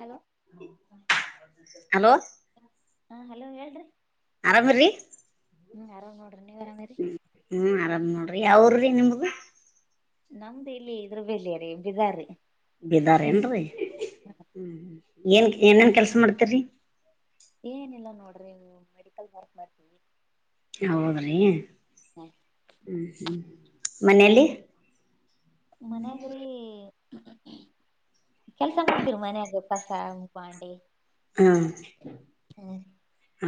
hello [inaudible] hello ಹಾ hello ಹೇಳ್ರಿ ಹಾ ಬ್ರ ಹ್ಮ್ ಆರಾಮ ನೋ ಹ್ಮ ಹ್ಮ್ ಆರಾಮ್ ನೋಡ್ರಿ ಯಾವರ್ರಿ ನಿಮ್ಗ ನಮ್ದು ಇಲ್ಲಿ ಇದ್ರ ಬಲ್ಲಿ ರೀ ಬಿದಾರರಿ ಬೇದಾರೆಂಡ ರೀ ಹ್ಮ [inaudible] ಏನ್ ಏನೇನ್ ಕೆಲ್ಸ ಮಾಡ್ತರಿ ಏನಿಲ್ಲ ಮೆಡಿಕಲ್ ಹಾಸ್ ಮಾಡತೀವಿ ಹೌದ್ರೀ ಹ ಹ್ಞ ಮನೇಲಿ ಮನಗ್ರೀ ಕೆಲ್ಸ ಮಾಡ್ತೀರ ಮನ್ಯಾಗ ಕಸ ಮುಖಾಂಡಿ ಹ್ಮ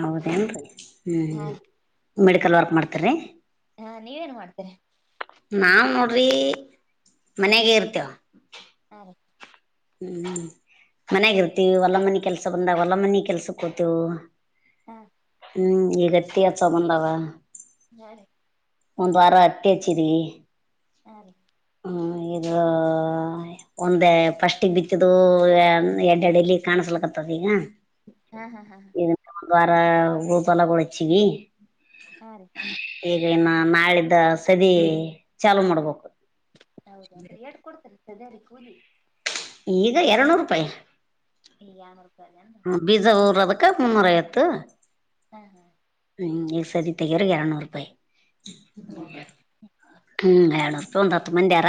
ಹೌದ ಹ್ಮ್ ಹಾ ಹ್ಮ ರೀ ಮೆಡಿಕಲ್ ವರ್ಕ್ ಮಾಡ್ತರಿ ಹಾ ನೀವೇಏನ್ ಮಾಡ್ತೀರಿ ನಾವ್ ನೋಡ್ರಿ ಮನೆಗೆ ಇರ್ತೇವ ಹಾ ರ [inaudible] ಹ್ಮ್ ಮನ್ಯಾಗರ್ತಿವಿ ಹೊಲ್ಲ ಮನಿ ಕೆಲ್ಸ ಬಂದಾಗ ಹೊಲ್ಲ ಮನಿ ಕೆಲ್ಸಕ್ಕ ಹೋತೇವು ಹ್ಮ ಹ್ಮ್ ಈಗಟ್ಟಿ ಚ ಬಂದಾವ ನಾ ರೆ [inaudible] ಒಂದ್ ವಾರ ಹತ್ತಿ ಹಚ್ಚಿದ ಹಾ ರೀ [inaudible] ಹ್ಮ ಇದು ಒಂದೇ ಫಸ್ಟಿಗೆ ಬಿತ್ತಿದ್ದ ಎಡ್ಡಲ್ಲಿ ಕಾಣಸ ಕಲ್ಕತದ ಈಗ [unintelligible] ಹ್ಮ್ ಹ್ಮ್ ಹಾ ಇದಕ್ಕೆ ಒಂದ್ ವಾರ ರೂಪಲ್ಲ ಕೊಡಚ್ಚಿಗೆ ಹಾ ರೀ [inaudible] [unintelligible] ಈಗ ಇನ್ನು ನಾಳಿದ್ದ ಸದ ಚಾಲು ಮಾಡ್ಬೇಕು ಹೌದ ಅಂದ್ರೆ ಎೇಡ್ ಕೊಡ್ತಾರೆ ಸದರಿ ಕೂಲಿಿ [unintelligible] [inaudible] ಈಗ ಎರನೂರು ರೂಪಾಯಿ ನ [inaudible] ಹ ಬೀಜ ಊರ ಅದಕ್ಕ ಮುನ್ನೂರ ಐತ್ತು ಹ್ಮ್ ಹ್ಮ್ [inaudible] ಹ್ಮ್ ಈ ಸದ ತಗರ ಇರನೂರು ರೂಪಾಯಿ [unintelligible] ನ ತತ್ತು ಮಂದಾರ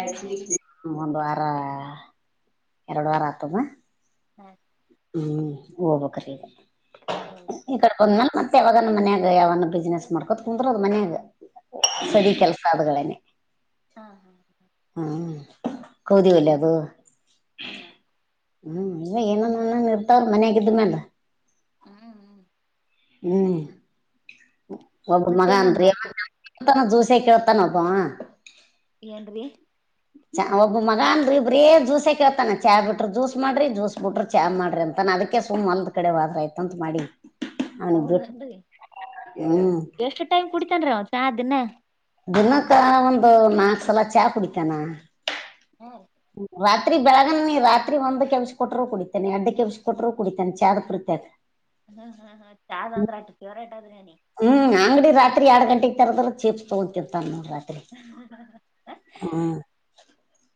ಹಾ ಹಾ ಒಂದು್ ವಾರ ಎರಡು ವಾರ ಆತದ ಹಾ ಹ್ಮ್ ಹೋಗಬಕ್ರಗ ಈ ಹೌದು ಕಡೆ ಬಂದ್ನಲ್ ಮತ್ತೆ ಯಾವಾಗ ನ ಮನ್ಯಾಗ ಯಾವನ ಬಿಸ್ನೆಸ್ ಮಾಡ್ಕೋತ್ ಕುಂದ್ರರು ಅದ ಮನ್ಯಾಗ ಹೌದು ಸರಿ ಕೆಲಸ ಆದಗಳೇನೆ ಹಾ ಹಾ [inaudible] ಹ್ಮ್ ಕೌದವಲ್ಲಬ ಹಾ ಹಾ ಹ್ಮ್ ಇವ ಏನ ಇರ್ತವಲ್ ಮನ್ಯಾಗಿದ್ಮೇಲ್ ಹ್ಮ್ ಹ್ಮ್ ಹ್ಮ್ ಒಬ್ಬ ಮತ್ತೇನೇನ್ ಮಗನ್ರಿ ಮಾಡ್ತೀರಿ ತಾನ ಜ್ಯೂಸೆ ಕೇಳತಾನ ಒಬ್ಬ ಏನ್ರಿ ಚಾ ಒಬ್ಬ ಮಗ ಅನ್ರಿ ಬ್ರೇ ಜ್ಯೂಸೆ ಕೇಳ್ತಾನೆ ಚಾ ಬಿಟ್ರರು ಜ್ಯೂಸ್ ಮಾಡ್ರಿ ಜ್ಯೂಸ್ ಬಿಟ್ರ ಚಾ ಮಾಡ್ರಿ ಅಂತಾನ ನ ಅದಕ್ಕೆ ಸು್ ಒಲದ ಕಡೆ ವಾದ್ರ ಆಯತಂತ ಮಾಡಿ ಅವನಿಗೆ ಬಿಟ್ಟ ಹೌದನ್ರಿ ಹ್ಮ್ ಎಷ್ಟು ಟೈಮ್ ಕುಡಿತನ್ೀ ಅವ ಚಾ ದಿನ ದಿನಕ್ಕ ಒಂದು ನಾಕ್ ಸಲ ಚಾ ಕುಡಿತಾನ ಹಾ ರೀ ರಾತ್ರಿ ಬೆಳಗನ ರಾತ್ರಿ ಒಂದ್ ಕೆಲ್ಸ ಕೊಟರು ಕುಡಿತಾನನೆ ಎಡ್ ಕೆಲ್ಸ ಕೊಟರು ಕುಡಿತಾನೆ ಚಾದ ಪುರ್ತ್ಯಾಗ ಹ್ಮ್ ಹ್ಮ ಹ ಚ ಆದ್ ಅಂದ್ರೆ ಆಟ ಚೇವರ ಆಟ ಆದ್ರೆ ಹ್ಮ್ ಅಂಗಡಿ ರಾತ್ರಿ ಎರಡ್ ಗಂಟೆಗೆ ತರದ್ರ ಚೀಪ್ ತಗೋತಿರ್ತಾನ ನೋಡಿ ಹ್ಮ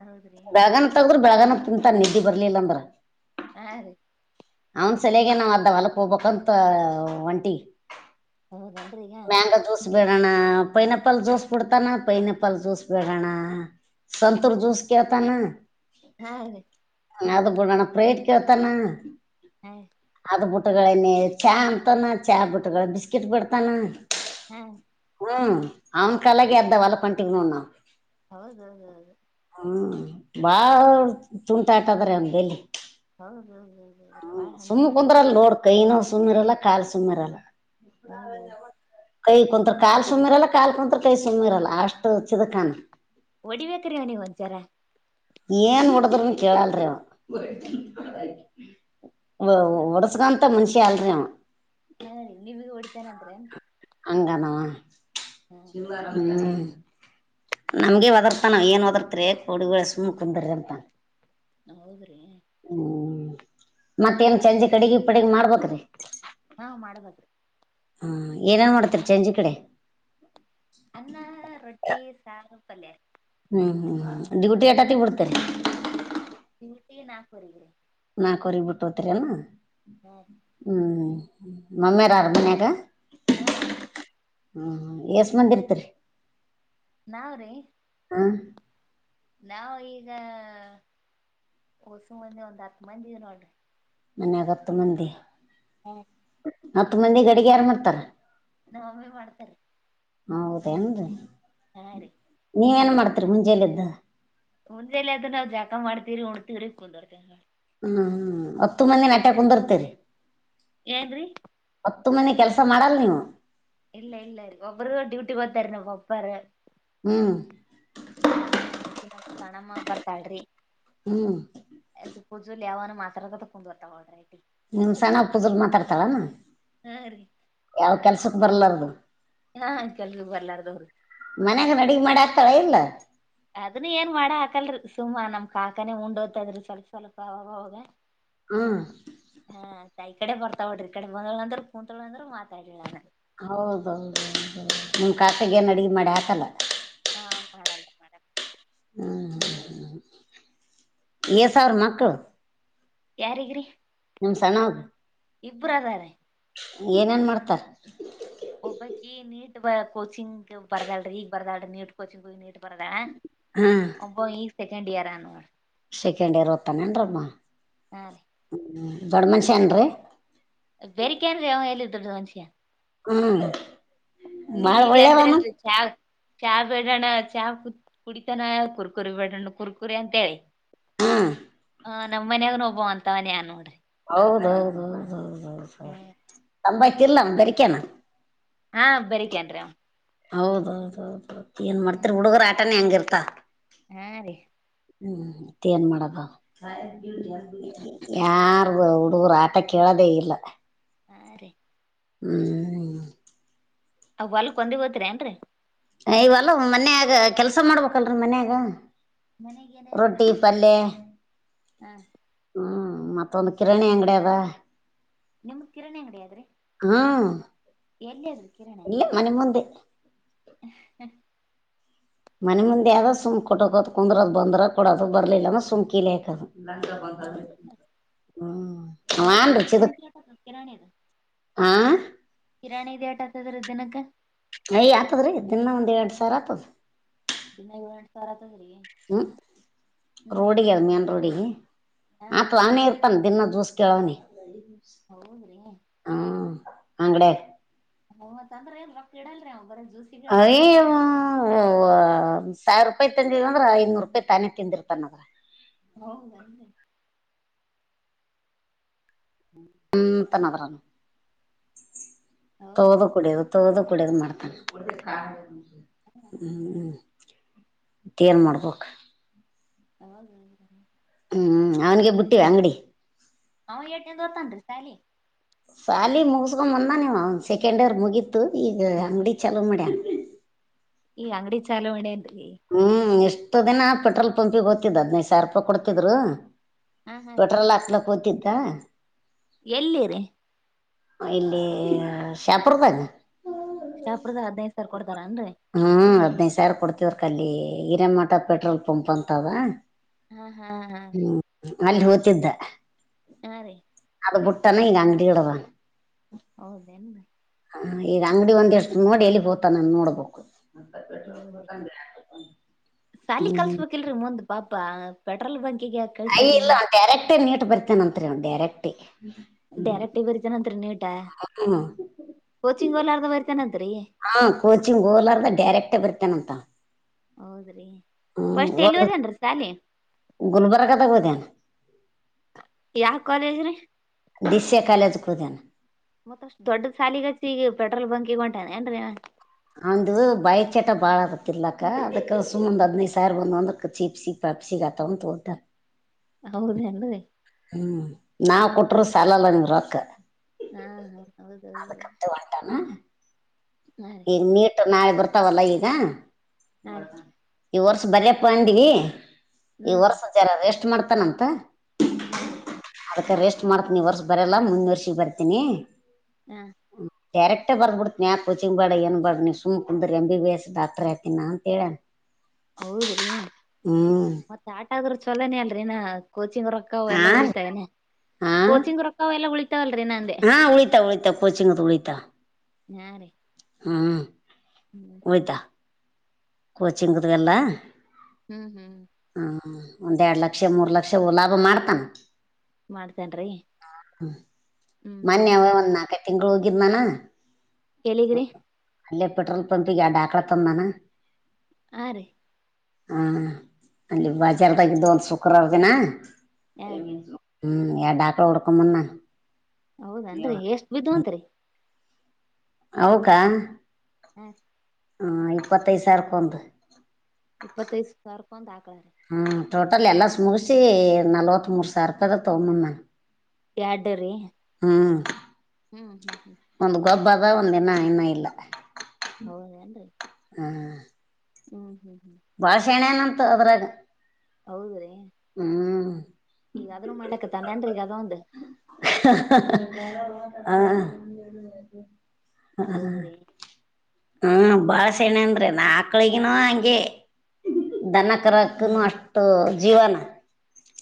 ಹೌದ್ರಿ ಬೇಗಾನ ತಗದ್ರ ಬಳಗನ ತಿಂತಾನ ನಿದ್ದಿ ಬರ್ಲಿಲ್ಲ ಅಂದ್ರ ಹಾ ರೀ ಅವನ್ ಸಲಗ ನಾವ್ ಅದ ಹೊಲಕ್ ಹೋಗ್ಬೇಕಂತ ಒಂಟಿ ಹೌದ ಮ್ಯಾಂಗ ಜ್ಯೂಸ್ ಬೇಡೋಣ ಪೈನಪಲ್ ಜ್ಯೂಸ್ ಬಿಡ್ತಾನ ಪೈನಪಲ್ ಜ್ಯೂಸ್ ಬೇಡೋಣ ಸಂತರ ಜೂಸ ಕತ ನ ಹಾ ರ ಅದು ಬಡಣ ಪ್ರೇಟ್ತಣ ಹ್ಮ ಅದ ಬುಟ್ಟಗಳೇನ ಚಾ ಅಂತಾನ ಚಾ ಬುಟ್ಟಗಳು ಬಿಸ್ಕಿಟ್ ಬಿಡ್ತಾನ ಹ್ಮ್ ಹ್ಮ್ ಅವನ್ಕ ಅಳಾಗ ಅ್ದ ವಲಪಂಿಕನಣಾ ಹೌದ ಹೌದೌದು ಬಾ ತುಂಟ ಆತದ್ರ ಅಲ್ಲಿ ಹೌದ ಹೌದು ಹೌದುೌ್ರ ಭಾಳ ಹಂಡತ ಸುಂದರ ಅಲ್ಲ ಕಲ್ ಸುಂದರ ಅಲ್ಲ ಹೌದು ಕೈ ಕುಂತ್ರು ಕಾಲು ಸುಮ್ಮಿರಲ್ಲ ಕಾಲ್ ಕುಂತ್ರು ಕೈ ಸುಮ್ಮ್ಿರಲ್ಲ ಅಷ್ಟು ಚಿದ ಕಾನ ಹೊಡಿಬೇಕ್ರೀ ಅವನಗ್ ಒಂಚರ ಏನ್ ಮುಡದ್ರನು ಕೇಳಲ್ರಿೀವ ಒಡಸಗಾಂತ ಮನುಷಿ ಆಲ್ರಿ ಹಾ ನೀವಗ ಹೊಡಿತೇನೆಂದ್ರೆ ಅಂಗದ ಹಾ ನಮ್ಗೆ ಒದರ್ತ ನಾವ ಏನ್ ವದರ್ತರಿ ಕೊೋಡುಗಳ ಸುಮ್ಮ್ ಕುಂದ್ರ ಅಂತ ನಾ ಹೋದ್ರಿ ಹ್ಮ್ ಮತ್ತೇನ್ ಚಜಿ ಕಡಿಗೆ ಇ ಪಡಗ ಮಾಡ್ಬೇಕೇ್ರೀ ಹಾ ಮಾಡಬದ್ರಿ ಹಾ ಏನನ್ ಮಾಡೋಡ್ತಿರಿ ಚೆಂಜಿ ಕಡೆ ಅನ್ನ ರೊಟ್ಟಿ ಸಾರು ಪಲ್ಯಾರ ಹ್ಮ್ ಹ್ಮ್ ಹ್ಮ್ ್ಯೂಟಿ ಟಾತಿ ಕೊಡ್ತನೆ ನ ನಾಕುಗ್ರ ಕೊರಿ ಬಿಿಟ್ಟತ್ರಿನಾ ಹಾ ಹ್ಮ್ ಮಮ್ಮಾರಾರ್ ಮನ್ಯಾಗ ಹಾ ಅ ರೀ ಹ್ಮ ಎಷ್ಟ ಮಂದಿ ಇರ್ತರಿ ನಾವ್ರೀ ಹ ನಾವ ಈಗ ಉಸಂಬಂದಿ ಒಂದ್ ಹತ್ ಮಂದಿಿದ ನೋಡ್ರಿ ಮನ್ಯ ಆಾಗತ್ತು ಮಂದಿ ಹ್ಮ ಹತ್ತು ಮಂದಿ ಅಡಿಗೆ ಯಾರು ಮಾಡ್ತಾರ ನಾವೇ ಮಾಡ್ತಾರಿ ಹೌದೇನ್ರೀ ಹಾರೀ ನೀ ಏನ್ ಮಾಡ್ತರಿ ಮುಂಜಲ್ಲ್ದ ಮುಂದೆಲ್ಲ ಅದ ನಾವ್ ಜಾಕಾ ಮಾಡ್ತಿೀರಿ ಉಣತಿ್ರಿ ಕುಂದ್ೋಡ್ತ [unintelligible] ಹ್ಮ್ ಹ್ಮ ಹತ್ತು ಮಂದಿ ನಟ್ಯಕ್ ಕುಂದಿರ್ತೇರಿ ಏನ್ರೀ ಹತ್ತು ಮನೆ ಕೆಲಸ ಮಾಡಲ್ ನೀವು ಇಲ್ಲ ಇಲ್ಲ ಒಬ್ಬರುಗ ಡ್ಯೂಟಿ ಗತಾರೆ ನೀ್ ಒಬ್ಬರೇ ಮ್ಮ್ ಹ್ಮ್ ಯಾಕ ಸಣಮ್ಮ ಬರ್ತಾಳ್ರಿ ಹ್ಮ್ ಪೂಜುಲ್ ಯಾವನ ಮಾತ್ರದ ಕು [unintelligible] ಡ್ ರ್ತಗಳ್ರಿ ನಿಮ್ ಸಣ ಪೂಜಲ್ ಮಾತಾಡ್ತಾಳಾನ ಹಾರೀ ಯಾವ ಕೆಲ್ಸಕ್ ಬರ್ಲಾರದು ಹಾ ಕೆಲ್ಗ ಎಲ್ಲರ್ದರು ಕಳಲ್ಲ ಅದನ್ ಏನ್ ಮಾಡ ಹಾಕಲ್ರಿ ಸುಮ್ಮಾ ನಮ್ ಕಾಕಾನೆ ಉಂಡ್ೋದ್ತದ್ರಿ ಸ್ವಲ್ಪ ಸ್ವಲ್ಪ ಅವಾಗವಾಗ ಹ್ಮ ದ ಈ ಕಡೆ ಬರ್ತಾವ ಬೋ್ರ ಈ ಕಡೆ ಬಂದಳ ಅಂದ್ರ ಕೂಂತತಳ ಅಂದ್ರು ಮಾತಾಡ ಹೌದೌದು ನಿಮ ಕಾಟಗೇನ್ ಅಡಿಗೆ ಮಾಡಿ ಹಾಕಲ್ಲ ಹಾ ಮಾಡಲ್ಲ ಮಾಡಲ್ಲ ಹ್ಮ ಎಸ ಅವ್ರ ಮಕ್ಕು ಯಾರಗ್ರಿ ನಿಮ್ ಸಣ್ಣ ಇಬ್ಬರು ಅದಾರೆ [unintelligible] ಏನೇನ್ ಮಾಡ್ತಾರ ಒಬ್ಬಕಿ ನೀಟ್ ಬ ಕೋಚಿಂಗ್ ಬರ್ದಾಳಿ ಈಗ ಬರ್ದಾಳಿ ನೀಟ್ ಕೋಚಿಂಗ್ ಹಿ ನೀಟ್ ಬರದಾಳ ಹಾಂ ಒಬ ಈ ಸೆಕೆಂಡ್ ಇಯರ್ ಆನುವ ಸೆಕೆಂಡ್ ಇಯರ್ ಓದ್ತಾನೆ ಬ್ರಹ್ಮ ಹಾ ರೀ ದೊಡ್ಡ ಮನುಷ್ಯ ಏನ್ರೀ ಸಾ [inaudible] ಹಲ್ಲ [inaudible] ನೀಗ ಅಂದ್ರಲ್ರಿ [unintelligible] ಚಾ ಬೇಡೋಣ್ಣ ಚಾ ಕುತ್ ಕುಡಿತಾನ ಕುರ್ಕುರಿ ಬೇಡಣ ಕುರ್ಕುರಿ ಅಂತ ಹೇಳಿ ಹ್ಮ ಹ ನಮ್ಮ ಮನೆಯಲ್ಲಿ ಒಬ್ಬ ಅಂತವನ್ಯಾ ನೋಡ್ರಿ ಹೌದೌದೌದೌದೌದೌದು ತಂಬಾಯತಿಲ್ಲ ನ ಬರಿಕೇನ ಹಾ ಬರಿಕೆನ್ರಾವ್ ಹೌದೌದ ಹೌದು ಏನ್ ಹ್ಮ್ ಮಾಡ್ತರಿ ಹುಡುಗರ ಆಟಾನ ಹೆಂಗಿರ್ತಾ ಹಾ ರೀ ಹ್ಮ್ ಮತ್ತ ಏನ್ ಮಾಡದ ಯಾರ ನೂರ ಆಟ ಕೇಳೋದೇ ಇಲ್ಲ ಹಾ ರೀ ಹ್ಮ್ ಅವ ಹೊಲ್ಕ್ ಒಂದಿ ಹೋತ್ರಿ ಏನ್ರರಿ ಇವಲ್ಲ ಮನ್ಯಾಗ ಕೆಲ್ಸ ಮಾಡ್ಬೇಕಲ್ರೀ ಮನ್ಯಾಗ ಮನೆಗೆನ ಏನ್ ರೊಟ್ಟಿ ಮಾಡ್ತು ಪಲ್ಯ ಹಾ [inaudible] ಹ್ಮ್ ಮತ್ತೊಂದು ಕಿರಣಿ ಅಂಗಡಿ ಅದ ನಿಮ್ದ ಕಿರಣ್ ಅಂಗಡ ಆದಾದ್ರೆ ಹಾ ಇಲ್ಲೇ ಮನೆ ಮುಂದೆ ಹ್ಮ್ ಹ್ಮ ಮನೆ ಮುಂದೆ ಯಗ ಸುಂಕ ಕೊಟ್ಟಕ ಕುಂದ್ರ ಅದ ಬಂದ್ರ ಕೊಡೋದು ಬರ್ಲಿಲ್ಲ ಸುಮ್ ಕೀಲಿಕದು ಹೌದಾ ಎಟ್ ಎಕರೆ ಹ್ಮ್ಚ ದಿನಕ್ಕೆ ಎಟ್ ಎಕರೆ [unintelligible] ಆ ಹಿರಾಣಿ ದೇಟ ಆತದ್ರ ದಿನಕ್ಕೆ ಯ ಆತದ್ರೀ ದಿನ ಒಂದ್ ಎರಡ್ ಸಾವಿರ ಆತದ ದಿನ ಎರಡ್ ಸಾವಿರ [inaudible] ಹ್ಮ್ ಹ್ಮ್ ಹ್ಮ್ ರೋಡಿಗೆ ಅದ ಮೇನ್ ರೋಡಿಗೆ ಹಾ ಹಾ ಆತ ಆಾನೇ ಇರ್ತಾನ ದಿನಾ ದೂಸ ಹೌದ್ರಿ ಹ್ ಹ್ಮ ಅಂಗಡ ಹತ್ ಅಂದ್ರ ಎಲ್ ರ ಇಡಲ್ರಿ ಅವ್ [inaudible] ಇಡ್ತಾನ ಅರೆೇ ವ [unintelligible] ಸಾವಿರ ರೂಪಾಯಿ ತಿಂದಿದ ಅ್ರ ಐನೂರು ರೂಪಾಯಿ ತಾನೆ ತಿಂದಿರ್ತಾನದ್ರ ಹೌ ನ ಎಂತ ನರನು [unintelligible] ತೋದು ಹೌದೌದು ಕುಡಿಯದು ತೋದು ಕುಡಿಯೋದು ಮಾಡ್ತಾನ ಹ್ಮ್್ಮ ಿಯರ್ ಮಾಡ್ಬೇಕಕ್ು [unintelligible] ಹೌ ಹ ಹ್ಮ್ ಅವನಿಗೆ ಬಿಟ್ಟಿವ ಅಂಗಡಿ ಅವ ಏಟೇ ಓತನ್ ಸಾಲಿ ಸಾಲಿ ಮುಗಿಸಕೊಂಡ ಮುಂದ ನೀವು ಸೆಕೆಂಡ್ ಇಯರ್ ಮುಗೀತು ಈಗ ಅಂಗಡಿ ಚಲೋ ಮಾಡ್ಯಣ ಈ ಅಂಗಡಿ ಚಾಲವಣೆ ಅನ್ರಿ ಎಷ್ಟ ದಿನ ಪೆಟ್ರೋಲ್ ಪಂಪಿಗೆ ಓ್ತಿದ್ ಹದಿನೈದು ಸಾವಿರ ರೂಪಾಯಿ ಕೊಡ್ತಿದ್ರು ಹಾ ಹಾ ರೀ ಪೆಟ್ರೋಲ್ ಹಾಕ್ಲ ಗೊತಿದ್ದ ಎಲ್ಲಿರಿ ಇಲ್ಲಿ ಶಾಪುರ್ದಾಗ ಶಾಪುದ ಹದಿನೈದು ಸಾವರ ಕೊಡ್ತಾರ ಅನ್ರರಿ ಹದನೈದು ಸಾವರ ಕೊಡ್ತತಿವ್ರ ಕ ಅಲ್ಲಿ ಹಿರೇಮಠ ಪೆಟ್ರೋಲ್ ಪಂಪ್ ಅಂತದ ಹ್ಮ್ ಹ್ಮ್ ಹ್ಮ್ ಅಲ್ಲಿ ಹೋಗ್ತಿದ್ದ ಹಾ ರೀ ಅದು ಬುಟ್ಟನ ಈಗ ಅಂಗಡಿ ಇಡದ ನಾ ಹೌದೇನು ಹ ಈ ಅಂಗಡಿ ಒಂದ್ ಎಷ್ಟು ನೋಡಿ ಎಲ್ಲಿ ಬೋತ ನಾನನ್ ನೋಡ್ಬಬೇಕು [inaudible] ಹೌದ್ರಿ ಸಾಲಿ ಕಲ್ಸ್ಬೇಕಲ್ರರಿ ಮುಂದ್ ಪಾಪ ಪೆಟ್ರೋಲ್ ಬಂಕ್ ಅಯ ಇಲ್ಲ ಡೈರೆಕ್ಟೇ ನೀಟ್ ಬರ್ತೇನಂತ್ರಿ ಡೈರೆಕ್ಟ ಡೈರೆಕ್ಟ ಬರಿತನಂತತ್ರ ನೀಟ ಹ್ಮ್ ಕೋಚಿಂಗ್ ಹೋಲಾರ್ದ ಬರಿತಾನಂತ್ರಿ ಹಾ ಕೋಚಿಂಗ್ ಹೋಲಾರ್ದ ಡೈರೆಕ್ಟ ಬರ್ತೇನಂತ ಹೌದ್ರಿ ಹ್ಮ್ ಫಸ್ಟ್ ಒಂದು ಎಲ್ಲಿವದನ್ ಸಾಲಿ ಗುಲ್ಬರ್ಗದಾಗ ಹೋದ್ಯಾನ ಯಾವ ಕಾಲೇಜ್ರೀ ದಿಸ್ಯ ಕಾಲೇಜ್ ಕೂುದನ ಮತ್ತಷ್ಟು ದೊಡ್ಡಡ್ ಸಾಲಿಗಚ್ಚಿ ಈಗ ಪೆಟ್ರೋಲ್ ಬಂಕ್ ಈಗ ಹೊಂಟಾನ ಏನ್ರೀ ಅವಂದು ಬಾಯ ಚಟ ಬಾಳ ಆಗತ್ತತಿರ್ಲಾಕ್ಕ ಅದಕ್ಕ ಸುಮೊ್ ಹದಿನೈದು ಸಾವಿರ ಬಂದಂದ ಖರ್ಚು ತಪ್ ಸಿಖಾತ ಹ ತೋಡ್ಡ [unintelligible] ಹೌದೇನು ಹ್ಮ್ ನಾವ್ ಕೊಟರು ಸಾಲಲ್ಲ ನೀವ್ ರೊಕ್ಕ ಹಾ ಹಾ ಹೌದೌದೌದು ಅದಕ್ಕಂತ ಹೊಂಟಾನ ಈಗ ನೀಟ್ ನಾಳೆ ಬರ್ತಾವಲ್ಲ ಈಗ ಹಾ ರೀ ಈ ವರ್ಷ ಬರ್ಯಪ್ಪ ಅಂಡಗಿ ಈ ಹ್ಮ್ ವರ್ಷದ ಜರ ರೆಸ್ಟ್ ಮಾಡ್ತಾನಂತ ಹಾ ರೀ ಅದಕ್ಕೆ ರೆಸ್ಟ್ ಮಾಡ್ತೀನಿ ವರ್ಷ ಬರಲ್ಲ ಮುಂದಿನ ವರ್ಷ ಬರ್ತೀನಿ ಹಾ ಡೈರೆಕ್ಟ ಬರ್ಬಿಡ್ತನ ಯಾ ಕೋಚಿಂಗ್ ಬಡ ಏನು ಬಡ ನೀ ಸುಮ್ ಕುಂದ್ರಿ ಎ ಬಿ ಎಸ್ ಡಾಕ್ಟರ್ ಆಯ್ತೇನು ಅಂತ ಹೇಳ ಹೌದ್ರಿ ಹ್ಞೂ ಮತ್ತ ಆಟ ಆದ್ರ ಚಲೋನೇ ಅಲ್ರಿೀನಾ ಕೋಚಿಂಗ್ ರೊಕ್ಕ ಎಲ್ಲ ಹಾಂ ಉಳಿತಾವನೆ ಕೋಚಿಂಗ್ ರೊಕ್ಕ ಎಲ್ಲ ಉಳಿತ ಹಾ ಉಳಿತಾ ಉಳಿತ ಕಚಿಂಗ ಉಳಿತಾ ಹಾ ರೀ ಹಾ [inaudible] ಕೋಚಿಂಗ್ ದು ಅದೆಲ್ಲ ಹ್ಮ್ ಹ್ಮ್ ಒಂದ್ ಎರಡು ಲಕ್ಷ ಮೂರ್ ಲಕ್ಷ ಲಾಭ ಮಾಡ್ತಾನ ಮಾಡ್ತೇನ್ರೀ ಹ್ಮ್ ಹ್ಮ್ ಹ್ಮ್ ತಿಂಗಂಗಳು ಹೋಗಿದ್ ಮಾನ ಎಲ್ಲಿಗೆ ರೀ ಅಲ್ಲೇ ಪೆಟ್ರೋಲ್ ಬಂಕ್ ಗೆ ತಂದಾನ ಹಾ ರೀ ಹಾ ಅಲ್ಲಿ ಬಾಜಾರ್ದಾಗಿದ್ದು ಒಂದು ಶುಕ್ರವಾರ ದಿನ ಹ ಹ್ಮ್ ಯ ಡಾಕ್ಟರ್ ಹುಡುಕು ಮುನ್ನ ಹೌದನ್ರಿ ಎಷ್ಟು ಬಿದ್ದವಂತ್ರಿ ಹೌಕ ಹ್ಮ್ ಹಾ ಇಪ್ಪತ್ತೈದು ಸಾವಿರ ರೂಪಾಯಿ ಒಂದು ಇಪ್ಪತ್ತೈದು ಸಾವಿರ ರೂಪಾಯಾ ಅಂತ ಹಾಕ್ಲಾ ಹ್ಞೂ ಟೋಟಲ್ ಎಲ್ಲ ಮುಗಿಸಿ ನಲ್ವತ್ ಮೂರು ಸಾವಿರ ರೂಪಾಯಿ ತಗೊಂಡು ಬಂದ್ನ ಯಡರಿ ಹ್ಮ್ ಹ್ಮ್ ಒಂದ್ ಗೊಬ್ಬದ ಒಂದ್ ಇನ್ನ ಇನ್ನ ಇಲ್ಲ ಹೌದ ಏನ್ರಿ ಹ್ಮ್ ಹ್ಮ್ ಭಾಳ್ ಶಾಣೆನಂತು ಅದ್ರಾಗ ಹೌದ್ರೀ ಈಗ ಅದನ್ನು ಮಾಡಕಾತಾನೆನ್ರಿ ಅದು ಒಂದು ಹ ಹೌದ್ರಿ ಹ್ಮ್ ಬಾಳಶಾಣೆ ಅಂದ್ರೆ ಆಕ್ಲನಿಗು ಹಂಗೆ ದನಕರಕ್ಕನು ಅಷ್ಟು ಜೀವನ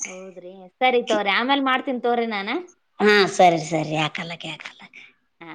ಹೌದ್ರಿ ಸರಿ ತೋಕೋರಿ ಆಮೇಲ್ ಮಾಡ್ತೀನಿ ತೋಕೋರಿ ನಾನು ಹಾ ಸರಿ ಸರಿ ಯಾಕಲಕ್ಕ ಯಾಕಲ್ಲಕ್ಕ ಹ್ಮ